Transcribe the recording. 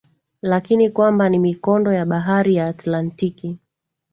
lakini kwamba ni mikondo ya Bahari ya Atlantiki